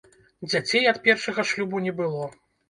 Дзяцей ад першага шлюбу не было.